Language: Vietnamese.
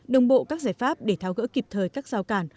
đồng bộ các giải pháp để tháo gỡ kịp thời các rào cản